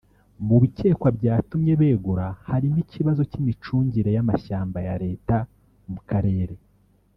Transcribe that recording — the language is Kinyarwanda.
Mu bikekwa byatumye begura harimo ikibazo cy’imicungire y’amashyamba ya Leta mu karere